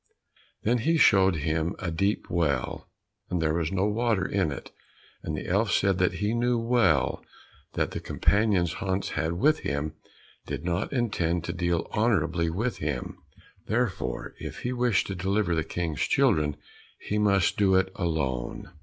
Then he showed him a deep well, but there was no water in it. And the elf said that he knew well that the companions Hans had with him did not intend to deal honourably with him, therefore if he wished to deliver the King's children, he must do it alone.